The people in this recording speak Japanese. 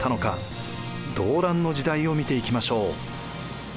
動乱の時代を見ていきましょう。